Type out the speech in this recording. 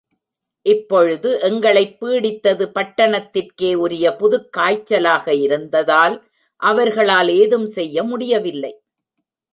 இப்பொழுது எங்களைப் பீடித்தது, பட்டணத்திற்கே உரிய புதுக் காய்ச்சலாக இருந்ததால், அவர்களால் ஏதும் செய்ய முடியவில்லை.